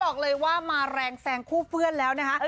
บอกเลยว่ามาแรงแซงคู่เพื่อนแล้วนะคะ